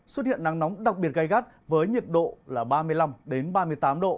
xuất hiện nắng nóng đặc biệt gây gắt với nhiệt độ ba mươi năm ba mươi tám độ